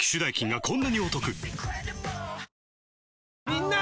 みんな！